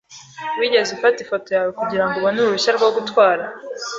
Wigeze ufata ifoto yawe kugirango ubone uruhushya rwo gutwara?